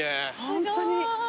ホントに。